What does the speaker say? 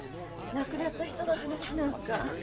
亡くなった人の話なんか。